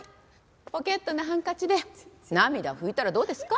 ポケットのハンカチで涙拭いたらどうですか？